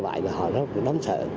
tại vì họ rất là đáng sợ